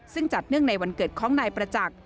ซึ่งจัดเนื่องในวันเกิดของนายประจักษ์